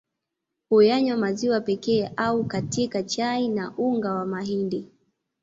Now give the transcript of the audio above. Huyanywa maziwa pekee au katika chai na unga wa mahindi